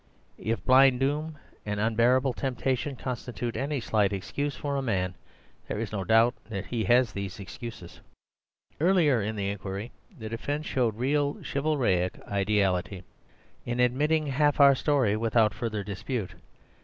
If blind doom and unbearable temptation constitute any slight excuse for a man, there is no doubt that he has these excuses. "Earlier in the inquiry the defence showed real chivalric ideality in admitting half of our story without further dispute.